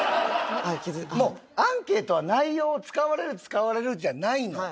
もうアンケートは内容を使われる使われないじゃないのよ